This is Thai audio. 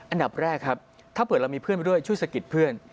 อันดับแรกครับถ้าเผื่อเรามีเพื่อนมาด้วยช่วยสะกิดเพื่อน